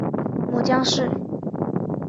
母江氏。